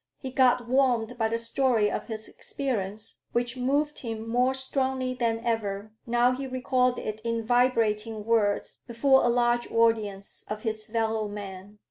He got warmed by the story of his experience, which moved him more strongly than ever, now he recalled it in vibrating words before a large audience of his fellow men.